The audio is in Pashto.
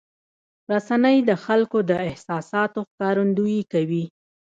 رسنۍ د خلکو د احساساتو ښکارندویي کوي.